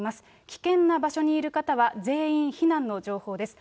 危険な場所にいる方は、全員避難の情報です。